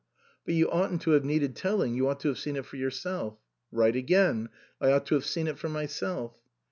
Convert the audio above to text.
" But you oughtn't to have needed telling, you ought to have seen it for yourself." "Right again. I ought to have seen it for myself."